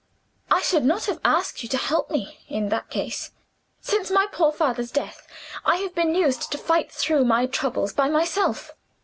I should not have asked you to help me, in that case. Since my poor father's death, I have been used to fight through my troubles by myself."